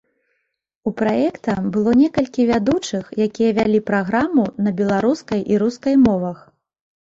У праекта было некалькі вядучых, якія вялі праграму на беларускай і рускай мовах.